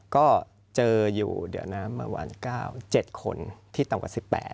ก็เจออยู่เดี๋ยวนะเมื่อวาน๙๗คนที่ต่ำกว่า๑๘